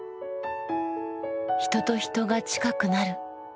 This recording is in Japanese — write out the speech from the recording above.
人と人が近くなる。